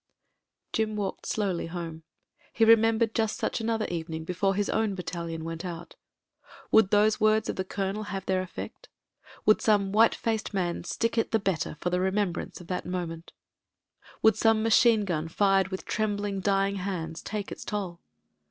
Jim walked slowly home. He remembered just such another evening before his own battalion went out. Would those words of the Colonel have their effect: would some white faced man stick it the better for the remembrance of that moment: would some machine 264 MEN, WOMEN AND* GUNS gun fired with trembling dpng hands take its toll?